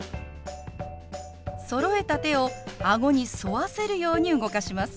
そろえた手を顎に沿わせるように動かします。